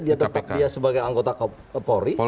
dia sebagai anggota polri